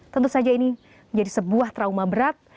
tentu saja ini menjadi sebuah trauma berat